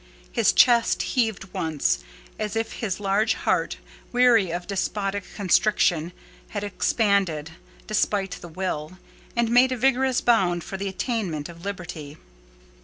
His chest heaved once, as if his large heart, weary of despotic constriction, had expanded, despite the will, and made a vigorous bound for the attainment of liberty.